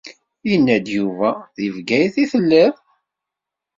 Yenna-d Yuba deg Bgayet i telliḍ.